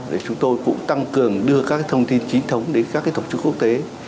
để chúng tôi cũng tăng cường đưa các thông tin chính thống đến các tổ chức quốc tế